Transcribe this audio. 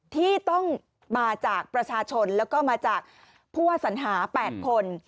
ที่ต้องมาจากประชาชนแล้วก็มาจากผู้ว่าสัญหา๘คน